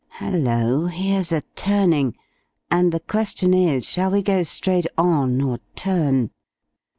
Hello! here's a turning, and the question is, shall we go straight on, or turn?"